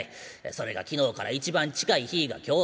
それが昨日から一番近い日が今日。